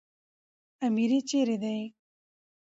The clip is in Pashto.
اميري چيري دئ؟